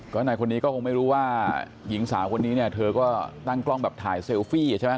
ก็นายคนนี้ก็คงไม่รู้ว่าหญิงสาวคนนี้เนี่ยเธอก็ตั้งกล้องแบบถ่ายเซลฟี่ใช่ไหม